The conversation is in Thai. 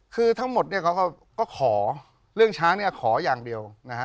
คือทั้งหมดเนี่ยเขาก็ขอเรื่องช้างเนี่ยขออย่างเดียวนะฮะ